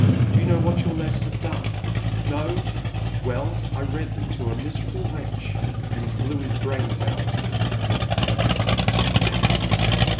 Do you know what your letters have done ? No ? Well I read them to a miserable wretch and he blew his brains out !"You read them to a man